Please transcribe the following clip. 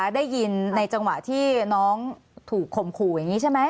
ได้ยินในจังหวะที่น้องถูกข่มขู่อย่างนี้ใช่ไหม